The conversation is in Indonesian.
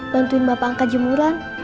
bantuin bapak angkat jemuran